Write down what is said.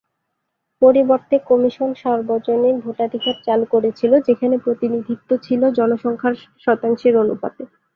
পরিবর্তে, কমিশন সর্বজনীন ভোটাধিকার চালু করেছিল, যেখানে প্রতিনিধিত্ব ছিল জনসংখ্যার শতাংশের অনুপাতে।